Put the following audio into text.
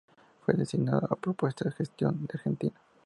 Fue designado a propuesta y gestión de Argentina.